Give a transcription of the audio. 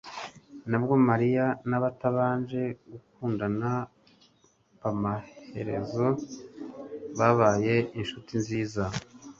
Nubwo mariya na batabanje gukundana^pamaherezo babaye inshuti nziza